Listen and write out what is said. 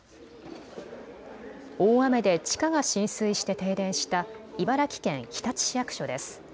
大雨で地下が浸水して停電した茨城県日立市役所です。